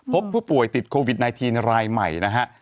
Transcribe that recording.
พบผู้ป่วยติดโควิด๑๙รายใหม่นะฮะ